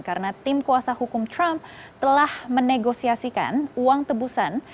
karena tim kuasa hukum trump telah menegosiasikan uang tebusan